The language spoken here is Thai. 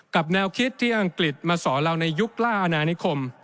แนวคิดที่อังกฤษมาสอนเราในยุคล่าอนานิคม